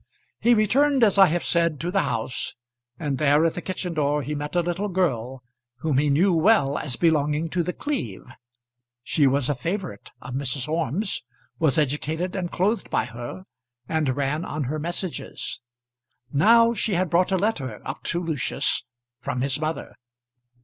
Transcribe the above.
He returned as I have said to the house, and there at the kitchen door he met a little girl whom he knew well as belonging to The Cleeve. She was a favourite of Mrs. Orme's, was educated and clothed by her, and ran on her messages. Now she had brought a letter up to Lucius from his mother.